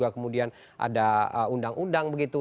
kemudian ada undang undang begitu